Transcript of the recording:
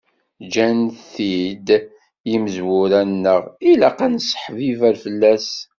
Ǧǧan-t-id yimezwura-nneɣ ilaq ad nesseḥbiber fell-as.